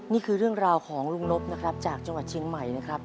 นี่คือเรื่องราวของลุงนบนะครับจากจังหวัดเชียงใหม่นะครับ